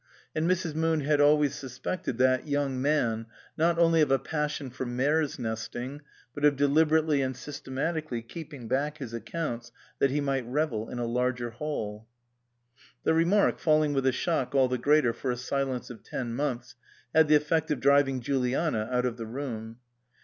And Mrs. Moon had always sus pected that young man, not only of a passion for mare's nesting, but of deliberately and sys tematically keeping back his accounts that he might revel in a larger haul. The remark, falling with a shock all the greater for a silence of ten months, had the effect of driving Juliana out of the room.